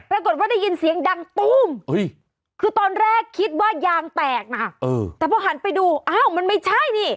ปรากฏว่าได้ยินเสียงดังตู้มคือตอนแรกคิดว่ายางแตกนะแต่พอหันไปดูอ้าวมันไม่ใช่นี่